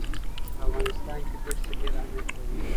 په افغانستان کې دښتې ډېر اهمیت لري.